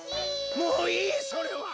もういいそれは！